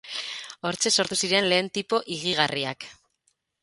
Hortxe sortu ziren lehen tipo higigarriak.